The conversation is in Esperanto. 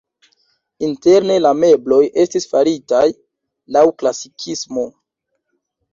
Interne la mebloj estis faritaj laŭ klasikismo.